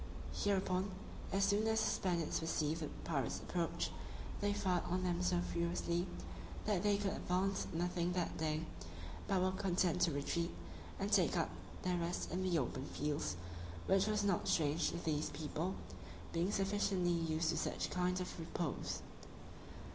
Hereupon, as soon as the Spaniards perceived the pirates approach, they fired on them so furiously, that they could advance nothing that day, but were content to retreat, and take up their rest in the open fields, which was not strange to these people, being sufficiently used to such kind of repose.